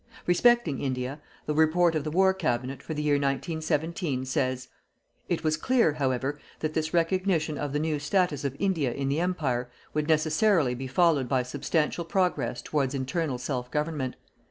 Respecting India, the Report of the War Cabinet, for the year 1917, says: It was clear, however, that this recognition of the new status of India in the Empire would necessarily be followed by substantial progress towards internal self government.